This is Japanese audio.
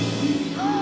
ああ。